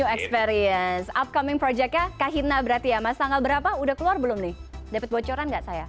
new experience upcoming projectnya kahina berarti ya mas tanggal berapa udah keluar belum nih dapet bocoran gak saya